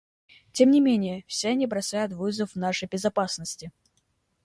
Тем не менее, все они бросают вызов нашей безопасности.